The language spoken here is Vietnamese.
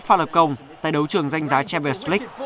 một mươi sáu pha lập công tại đấu trường danh giá champions league